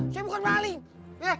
saya bukan balik